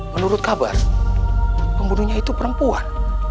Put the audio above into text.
menurut kabar pembunuhnya itu perempuan